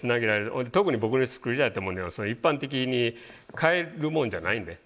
特に僕の作りたいと思うのは一般的に買えるもんじゃないんで。